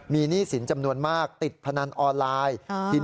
มีหนี้สินจำนวนมากติดพนันออนไลน์